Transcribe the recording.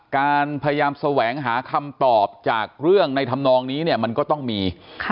การพยายามแสวงหาคำตอบจากเรื่องในธรรมนองนี้เนี่ยมันก็ต้องมี